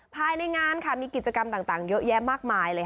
ภายในงานค่ะมีกิจกรรมต่างเยอะแยะมากมายเลยค่ะ